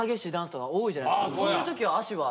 そういう時は脚は。